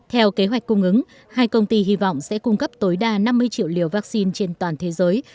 theo kế hoạch cung ứng hai công ty hy vọng sẽ cung cấp tối đa năm mươi triệu liều vaccine trên toàn thế giới